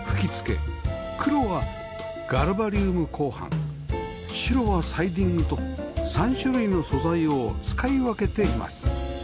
黒はガルバリウム鋼板白はサイディングと３種類の素材を使い分けています